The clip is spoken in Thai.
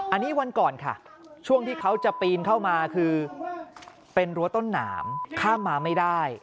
อันนี้วันก่อนค่ะช่วงที่เขาจะปีนเข้ามาคือเป็นรั้วต้นหนามข้ามมาไม่ได้